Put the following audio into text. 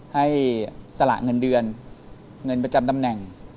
ให้สละเงินเดือนเงินประจำตำแหน่ง